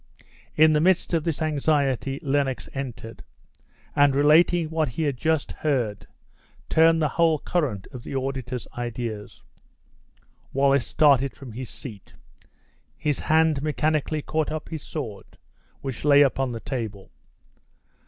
In the midst of this anxiety, Lennox entered; and relating what he had just heard, turned the whole current of the auditor's ideas. Wallace started from his seat. His hand mechanically caught up his sword, which lay upon the table.